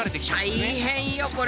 大変よこれ。